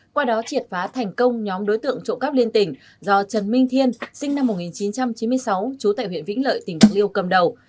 qua đó triệt phá thành công nhóm đối tượng trộm cắp liên tỉnh do trần minh thiên sinh năm một nghìn chín trăm chín mươi sáu trú tại huyện vĩnh lợi tỉnh bạc liêu cầm đầu